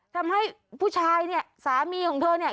ทำให้ผู้ชายเนี่ยสามีของเธอเนี่ย